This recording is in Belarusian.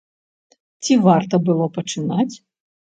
Ці варта было пачынаць?